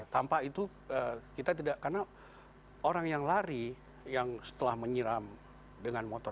tanpa itu kita tidak karena orang yang lari yang setelah menyiram dengan motor